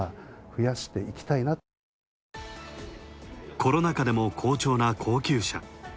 コロナ禍でも好調な高級車。